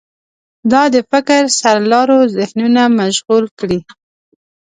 دا د فکر سرلارو ذهنونه مشغول کړي دي.